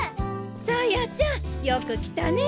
紗耶ちゃんよく来たね。